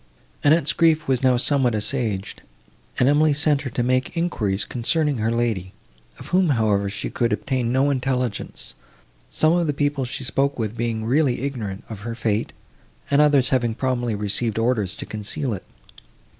Annette's grief was now somewhat assuaged, and Emily sent her to make enquiries, concerning her lady, of whom, however, she could obtain no intelligence, some of the people she spoke with being really ignorant of her fate, and others having probably received orders to conceal it.